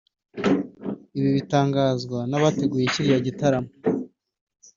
ibi bitangazwa n’abateguye kiriya gitaramo